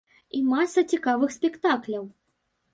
І маса цікавых спектакляў.